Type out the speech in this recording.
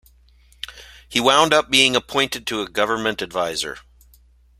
He wound up being appointed a government advisor.